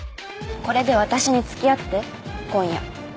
これで私につきあって今夜。